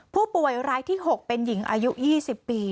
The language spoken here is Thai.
ผู้ป่วยรายที่๖เป็นหญิงอายุ๒๐ปี